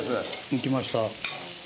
いきました。